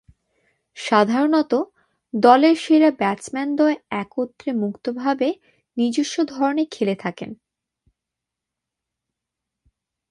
সাধারণতঃ দলের সেরা ব্যাটসম্যানদ্বয় একত্রে মুক্তভাবে নিজস্ব ধরনে খেলে থাকেন।